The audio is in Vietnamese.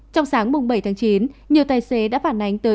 trong sáng bảy chín nhiều tài xế đã phản ánh tới ứng dụng